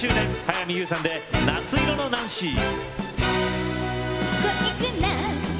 早見優さんで「夏色のナンシー」。